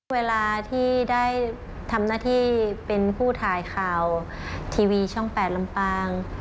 เวลาที่ได้ทำหน้าที่เป็นผู้ถ่ายข่าวทีวีช่อง๘ลำปาง